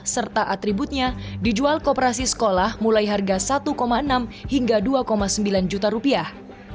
serta atributnya dijual kooperasi sekolah mulai harga satu enam hingga dua sembilan juta rupiah